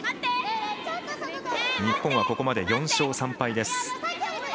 日本はここまで４勝３敗です。